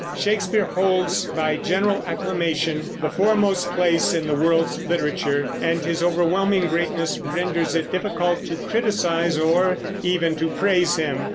Shakespeare holds, by general acclamation, the foremost place in the world's literature, and his overwhelming greatness renders it difficult to criticise or even to praise him.